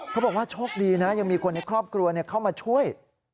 เขาบอกว่าโชคดีนะยังมีคนในครอบครัวเข้ามาช่วย